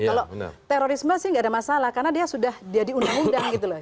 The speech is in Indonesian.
kalau terorisme sih gak ada masalah karena dia sudah diundang undang gitu loh